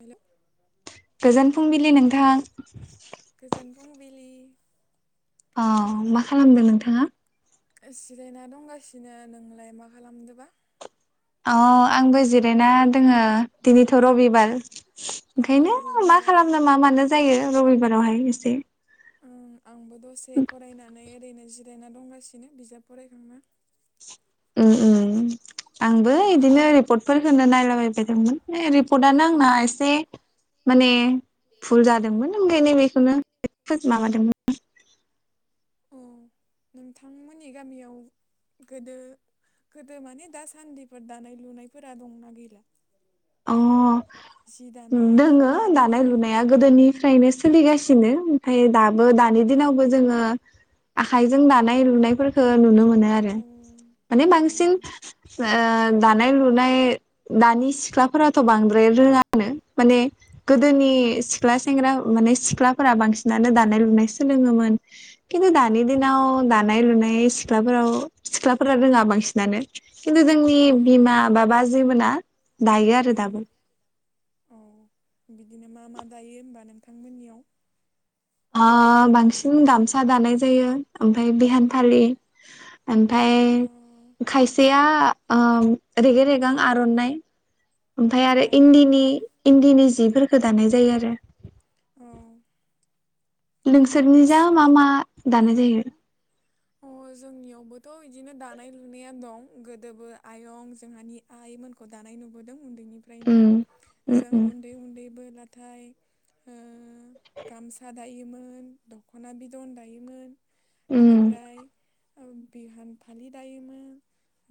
हेल' गोजोन फुंबिलि नोंथां। गोजोन फुंबिलि औ मा खालामदों नोंथाङा? जिरायना दंगासिनो नोंलाय मा खालामदोबा? अ आंबो जिरायना दोंङो दिनैथ' रबिबार। औ ओंखायनो मा रबिबार खालामनो मा मानो जायो रबिबारावहाय एसे। ओं आंबो दसे फरायनानै ओरैनो जिरायना दंगासिनो बिजाब फरायखांना। ओम ओम आंबो ओं इदिनो रिपर्टफोर खोनो नायलाबायबाय दंमोन बे रिपर्टआनो अ आंना एसे माने भुल जादोंमोन बेनो बेखौनो [unintelligible] माबादोंमोन। अ [inaudible] नोंथांमोननि गामियाव गोदो गोदो माने दासान्दिफोर दानाय लुनायफोरा दंना गैला? अ जि दानाय दोङो दख'ना दानाय लुनाया गोदोनि फ्रायनो सोलिगासिनो ओमफ्राय दाबो दानि दिनावबो जोङो आखाइजों दानाय लुनायफोरखो नुनो मो नो आरो औ माने औ बांसिन ओ दानाय लुनाय दानि सिख्ला फोराथ' बांद्राय रोङानो माने गोदोनि औ सिख्ला सेंग्रा माने सिख्लाफोरा बां सिनानो दानाय लुनाय सोलोङोमोन खिन्थु दानि दिनाव उम दानाय लुनाय सिख्लाफोराव सिख्लाफोरा रोङा बांसिनानो खिन्थु जोंनि बिमा बा-बाजै मोना दायो औ आरो दाबो औ बिदिनो मा मा दायो होमबा नोंथांमोननियाव? ओ बांसिन गामसा दानाय जायो ओमफ्राय बिहान फालि ओमफाय अ खायसेया ओ रेगे रेगां आर'नाइ ओमफाय अ आरो इन्दिनि इन्दिनि जिफोरखो दानाय जायो आरो औ नोंसोरनि जा मा मा दानाय जायो? अ जोंनियावबोथ' बिदिनो दानाय लुनाया दं गोदोबो आयं जोंहानि आइमोनखौ दानाय खौ नुबोदों उन्दैनिफ्रायनो उम उम जों उम उन्दै उन्दैबो नाथाय ओ गामसा दायोमोन दख'ना बिदन दायोमोन बिनि उम फ्राय ओ बिहान फालि दायोमोन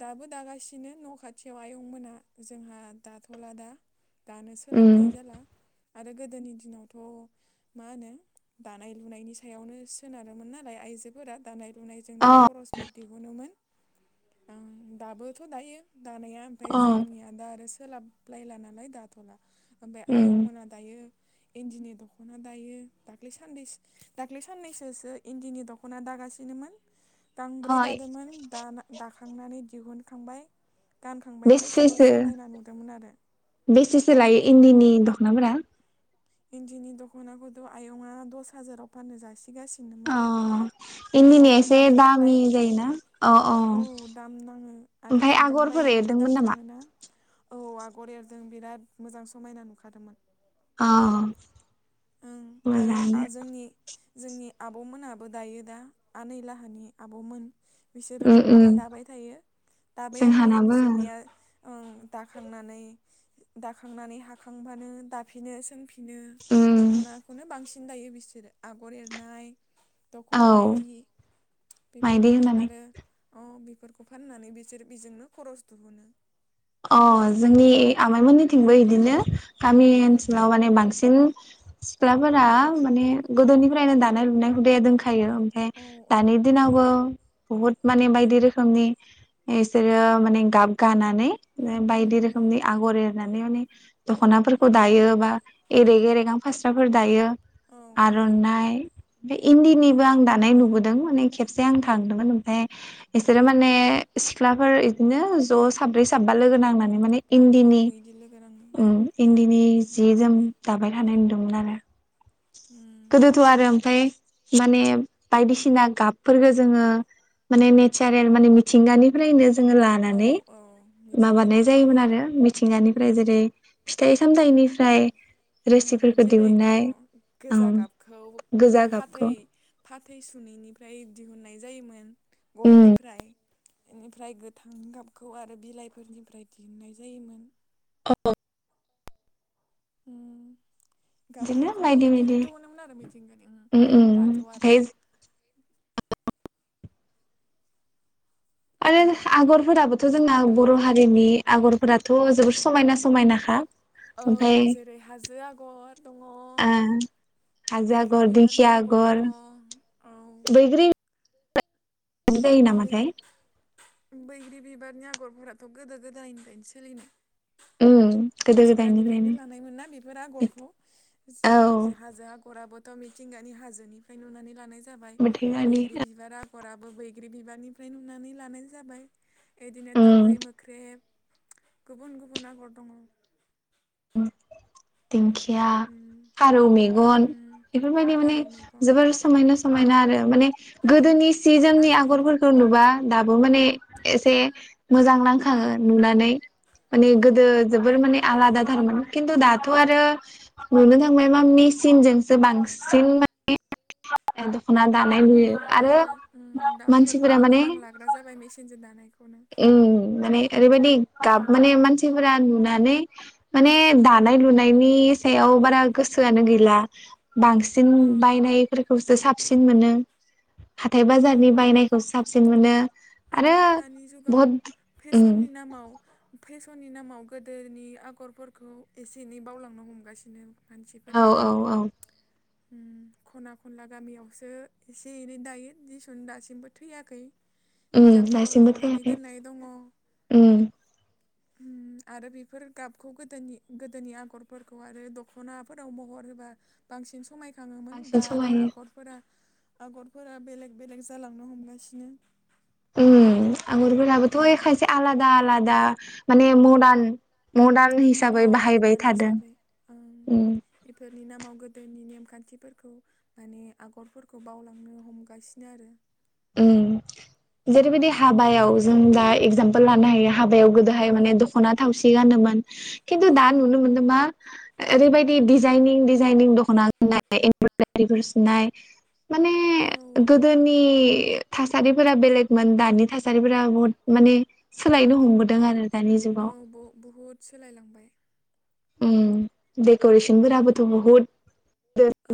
दाबो दागासिनो न' खाथियाव आयंमोनहा जोंहा दाथ'ला दा दानो उम सोलाबनाय जाला आरो गोदोनि दिनावथ' मा होनो दानाय लुनायनि सायावनो सोनारोमोन नालाय आइजोफोरा दानाय लुनायजोंनो अ खरसफोर दिहुनोमोन ओ दाबोथ' दायो दानाया ओमफ्राय अ जोंनिया दा आरो सोलाबलायला नालाय दाथ'ला ओमफाय उम आयंमोना दायो इन्दिनि दख'ना दायो दाख्लि साननै दाखलि साननैसोसो इन्दिनि दख'ना दागासिनो‌ बिनोमोन गांब्रै अ दादोंमोन दाखांनानै दिहुनखांबाय‌ बेसेसो आरो बेसेसो लायो इन इन्दिनि दख'नाफोरा? इन्दिनि दख'नाखौथ' आयंआ दस हाजाराव फाननो जासिगासिनोमोन अ इन्दिनिया न'आवनो एसे दानाय दामि नालाय जायोना अ अ औ दाम नाङो आरो ओमफाय खुन्दुं आगरफोर बायनायावबो एरदोंमोन दाम नामा थाङोना औ आगर एरदों बिराद मोजां समायना नुखादोंमोन औ ओं आरो जोंनि जोंनि आब'मोनाबो दायो दा आनै लाहानि आब'मोन बिसोरो उम उम दख'ना दाबाय थायो दाबायानो थायो जोंहानाबो बिसोरनिया ओं दाखांनानै दाखांनानै हाखांबानो दाफिनो सोंफि नों बिदिनो उम दख'नाखौनो बांसिन दायो बिसोरो आगर एरनाय दख'ना औ मायदि माइदि बेफोरबायदि होनानै आरो अ बेफोरखौ फाननानै बिसोर बेजोंनो खरस दिहुनो अ जोंनि आमाइमोननिथिंबो इदिनो गामि ओनसोलाव माने बांसिन सिख्लाफोरा माने गोदोनिफ्रायनो दानाय लुनाय हुदाया दंखायो ओमफ्राय लोगो दानि लोगो दिनाव बो बुहुत माने बायदि रोखोमनि बिसोरो माने गाब गानानै बायदि रोखोमनि आगर एर नानै माने दख'नाफोरखौ दायो बा रेगे रेगां फास्राफोर दायो आर'नाइ बे इन्दिनिबो नांनानै आं दानाय नुबोदों माने खेबसे आं थांदोंमोन ओमफाय इसोरो माने सिख्लाफोर बिदिनो ज' साब्रै साब्बा लोगो नांनानै माने औ इन्दिनि बिदि लोगो रां इन्दिनि जि जोम दाबाय थानाय नुदोंमोन आरो। उम गोदोथ' आरो ओमफ्राय माने बायदिसिना गाबफोरफोरखौ जोङो माने नेचारेल माने मिथिंगानिफ्रायनो औ लानानै औ माबानाय मिथिंगानिफ्रायनो जायोन लायोमोन आरो मिथिंगानिफ्राय उम जेरै फिथाइ सामथायाइनिफ्राय उम रोसिफोरखौ जेरै औ दिहुननाय गोजा ओं गाबखौ गोजा गाबखौ फाथै फाथै सुनैनिफ्राय दिहुननाय जायोमोन। उम गयनिफ्राय बेनिफ्राय गोथां गाबखौ आरो बिलाइफोरनिफ्राय दिहुननाय जायोमोन। [unintelligible] ओं बिदिनो गाबफोरखौबो बायदि बायदि बिदिनो दिहुनोमोन आरो मिथिंगारि उम उम दाथ' आरो ओमफ्राय आरो आगरफोराबोथ' जोंना बर' हारिनि आगरफोराथ' जोबोर समायना समायनाखा। ओमफ्राय औ जेरै हाजो आगर दङ हाजो बैग्रि आगर, बिबारनि दिंखिया दङ आगर, औ बैग्रि, बैग्रि नामाथाय। बैग्रि बिबारनि आगरफोराथ' गोदो गोदायनिफ्रायनो सोलिनो उम गोदो मिथिंगानिफ्रायनो गोदायनिफ्रायनो लानायमोना बेफोर आगरखौ औ हाजो आगराबो थ' मिथिंगानि हाजोनिफ्राय नुनानै लानाय जाबाय मेथाइ गानि बैग्रि बिबारा खराबो बैग्रि बिबारनिफ्राय नुनानै लानाय जाबाय बिदिनो उम दावउराइ मोख्रेब गुबुन गुबुन आगर दङ। देंखि या, उम फारौ मेगन, उम बेफोरबायदि माने फारौ मेगन जोबोर समायना समायना ओं गोदोनि सि जोमनि आरो आगरफोरखौ नुबा दा माने एसे मोजां नांखाङो नुनानै। माने गोदो जोबोर मान आलादा थारमोन खिन्थु दाथ' औ आरो नुनो थांबाय। गोबां मेसिनजोंसो बांसिन माने औ आरो मानसिफोरा दामफोरखौबो गोबां लाग्रा जाबाय मेसिनजों दानायखौ ओम माने ओरैबायदि औ गाब माने मानसिफोरा नुनाय नानै माने दानाय लुनायनि सायाव बारा गोसोआनो गैला बांसि जों औ बायनायफोरखौसो साबसिन मोनो हाथाय बाजारनि ओं बायनायखौसो साबसिन मोनो आरो दानि जुगाव बहुद उम फेशननि नामाव फेशननि नामाव गोदोनि आगरफोरखौ एसे एनै बावलांनो हमगासिनो औ मानसिफोरा औ औ खना खनला गामियावसो एसे एनै दायो दिसुन दासिमबो थैयाखै। उम बिजाबफोराव दासिमबो लिरनानै थैयाखै दोननाय दङ उम [inaudible] उम, आरो बेफोर गाबखौ गोदोनि गोदोनि आगरफोरखौ आरो दख'नाफोराव महर होबा बांसिन समायग थाङोमोन बांसिन दा आरो समायो आगरफोरा आगरफोरा बेलेग बेलेग जालांनो हमगासिनो उम आगरफोराबोथ' उम। खायसे आलादा आलादा माने मदार्न मदार्न अ हिसाबै बाहायबाय मदार्न थादों उम नि नामाव गोदोनि नेमखान्थिफोरखौ माने आगरफोरखौ बावलांनो हमगासिनो आरो ओम जेरैबायदि हाबायाव जों दा एगजामपोल लानो हायो हाबायाव गोदोहाय अ माने दख'ना थावसि गानोमोन औ खिन्थु दा औ नुनो मोनदों मा ओरैबायाददि डिजाइनिं डिजाइनिं दख'ना गाननाय एमब्रदारिफोर सुनाय माने गोदोनि थासारिफोरा बेलेगमोन दानि थासारिफोरा बहुद माने सोलायनो हमबोदों आरो दानि जुगाव औ बबुहुद सोलायलांबाय उम उम देक'रेसनफोराबोथ' बहुत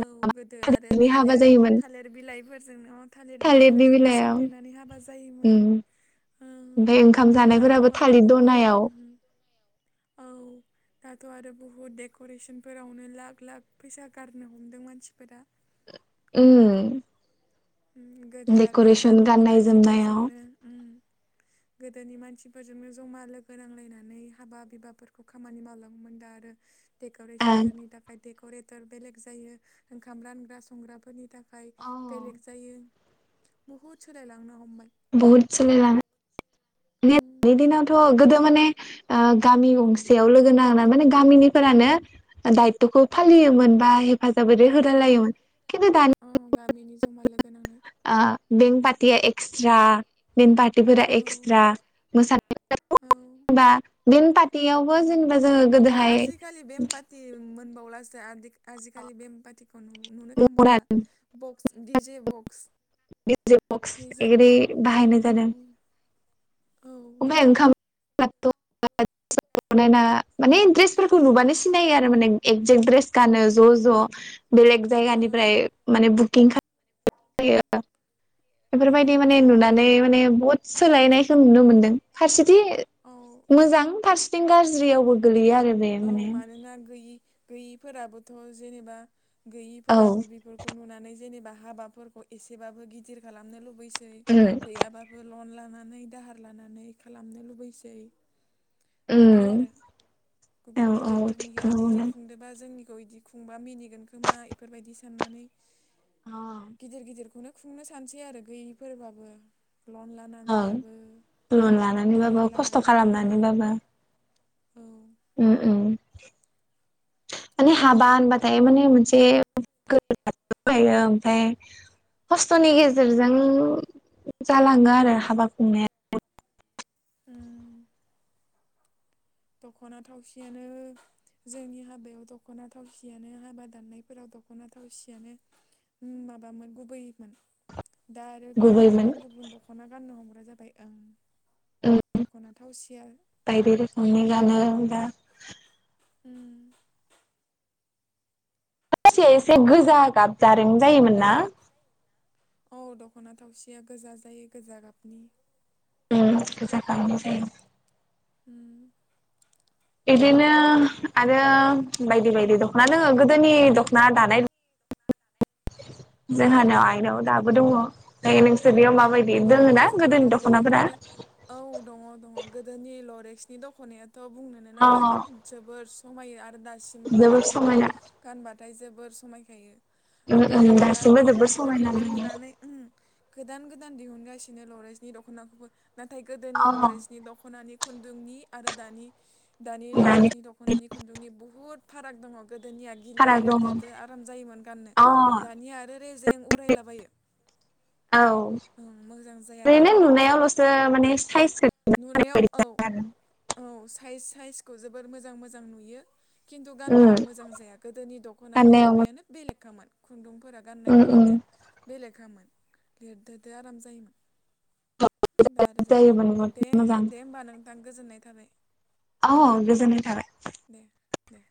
औ गोदो आरो थालिर हाबा जायोमोन थालिर बिलाइफोरजोंनो थालिर थालिरनि बिलाइफोरजोंनो सोंथेनानै हाबा जायोमोन ओं ओमफाय ओंखाम दाथ' जानायफोराबो आरो थालिर बहुद दनायाव उम औ दाथ' आरो बुहुत देक'रेसन फोरावनो लाख लाख फैसा गारनो हमदों मानसिफोरा उम उम गोदो आरो डेक'रेसन गामिनि गाननाय जोमनायाव मानसिफोरजोंनो उम गोदोनि मानसिफोरजोंनो जमा लोगो नांलायनानै हाबा बिबाफोरखौ खामानि मावलाङोमोन दा आरो देक'रेसन ओ फोरनि थाखाय देक'रेटर बेलेग जायो ओंखाम रानग्रा संग्राफोरनि थाखाय बाय बेलेक बहुद बहुत सलाय लांनो हमबा बहुद सोलाय लाङो उम दानि दिनावथ' गोदो माने गामि गंसेयाव लोगो नांना माने गामिनिफोरानो दायतथ'खौ फालियोमोन बा औ हेफाजाबैै हो औ लायोमोन खिन्थु दानि औ [unintelligible] गामिनि जमा लोगोनांनानै ओ बें पार्टिया एक्सट्रा बेन पार्टिफोरा औ एक्सट्रा औ मोसानायफोराथ' बा बेन पार्टियावबो जेनेबा जोङो गोदोहाय अब्लासो आदि आजिकालि बेंपाति नुनो मना थांबावला बक्स दिजे बक्स जेबक्स दिजे एऐगेदि बक्स बाहायनाय जादों औ ओमफाइ ओंखाम [unintelligible] बनायना माने दड्रेसफोरखौ नुबानो सिनायो आरो माने एक्जेक्ट ड्रेस गानो ज' ज' बेलेग औ जायगानिफ्राय माने बुकिं खाल फैयो औ बेफोरबायदि माने नुनानै माने बहुत सोलायनायखौ नुनो मोनदों फारसेथि औ मोजां फारसे थिं गाज्रियाव गोलैयो आरो बे औ माने मानोना गैयि गैयिफोराबोथ' जेनेबा औ गैयिफोराबो बेफोरखौ नुनानै जेनेबा हाबाफोरखौ एसेबाबो गिदिर खालामनो लुबैयो बैसै उम गैयाबाबो लन लानानै दाहार लानानै खालामनो लुबैसै बिदि उम आरो गुबुन औ औ गिदिरफोरनिया बिदि थिगखौनो खुंदोंबा जोंनिखौ इदि खुंबा मिनिगोन खोमा इफोरबायदि साननानै बुंदों गिदिर गिदिरखौनो खुंनो सानसै आरो गैयिफोरबाबो लन ओं लानानैबाबो लन लानानैबाबो दाहार खस्थ' लानानैबाबो खालामनानैबाबो औ ओ ओ माने हाबा होनबाथाय माने मोनसे [unintelligible] बायो ओमफाय खस्थ'नि उम गेजेरजों जालाङो आरो हाबा खुंनाया ओम दख'ना थावसियानो जोंनि हाबायाव दख'ना थावसियानो हाबा दाननायफोराव दख'ना थावसियानो ओम माबामोन गुबैमोन दा आरो गोबां गुबैमोन गुबुन गुबुन दख'ना गाननो हमग्रा जाबाय ओं उम दख'ना थावसिया हनि गानो दा ओम थावसिया एसे गोजा गाब जारें जायोमोन ना? औ दख'ना थावसिया गोजा जायो गोजा गाबनि औ गोजा गाबनि जायो हम बिदिनो आरो बायदि बायदि दख'ना दोंङो गोदोनि दख'ना दानाय जोंहानाव आइनाव दाबो दङ। दायो नोंसोरनियाव माबा औ जोंहानावबो दं आरो औ दङ दङ गोदोनि लरेक्सनि दख'नायाथ' बुंनोनो अ नांलामोन जोबोर समायो आरो आरो दासिमबो जोबोर बेफोरखौ समायना गानबाथाय जोबोर समायखायो। उम ओमफ्राय उम आरो दा दासिमबो जोबोर समायना बेफोरखौनो दोङो नुनानै ओम गोदान गोदान दिहुनगासिनो लरेजनि दख'नाखौबो नाथाय गोदोनि अ लरेजनि दख'नानि खुन्दुंनि आरो दानि दानि लरेसनि दख'नानि खुन्दुंनि बुहुत फाराग दङ। गोदोनिया फाराग गिलिद दङ लोददोदो आराम जायोमोन गाननो। अ दानिया आरो रेजें उरायलाबायो। औ ओं मोजां जाया ओरैनो दानिया नुनायावल'सो माने साइज नुनायाव औ औ साइज साइजखौ जोबोर मोजां मोजां नुयो। खिन्थु गाननायाव मोजां जाया गोदोनि दख'नानि माबायानो बेलेगखामोन खुन्दुं फोरा उम उम गाननायफोरानो बेलेखामोन लिददोदो आराम जायोमोन। दा आरो जाला जायोमोन बहुद दे मोजां दे होमबा नोंथां गोजोननाय थाबाय। अ गोजोनाय थाबाय। दे दे